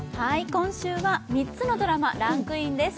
今週は３つのドラマがランクインです。